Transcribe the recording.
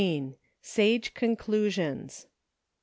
SAGE CONCLUSIONS.